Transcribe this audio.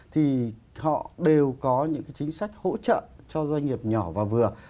thì họ đều có những cái chính sách hỗ trợ cho doanh nghiệp nhỏ và vừa